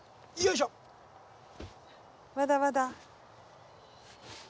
まだまだ。